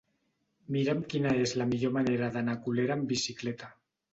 Mira'm quina és la millor manera d'anar a Colera amb bicicleta.